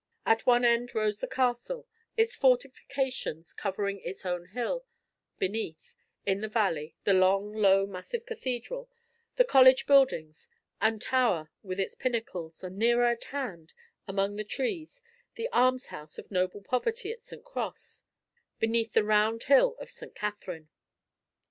At one end rose the castle, its fortifications covering its own hill, beneath, in the valley, the long, low massive Cathedral, the college buildings and tower with its pinnacles, and nearer at hand, among the trees, the Almshouse of Noble Poverty at St. Cross, beneath the round hill of St. Catherine.